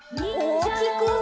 おおきく！